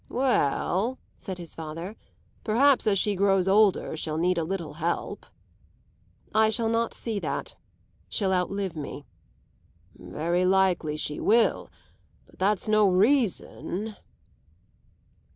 "Well," said his father, "perhaps as she grows older she'll need a little help." "I shall not see that. She'll outlive me." "Very likely she will; but that's no reason